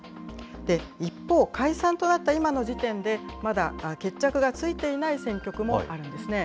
一方、解散となった今の時点で、まだ決着がついていない選挙区もあるんですね。